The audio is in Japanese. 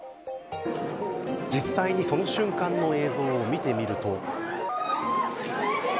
実際にその瞬間の映像を見てみると。